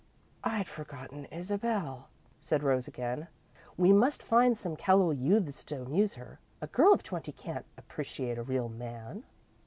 "I'd forgotten Isabel," said Rose, again. "We must find some callow youths to amuse her. A girl of twenty can't appreciate a real man."